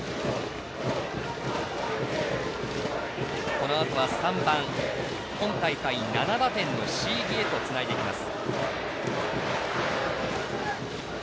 このあとは３番今大会７打点の椎木へとつないでいきます。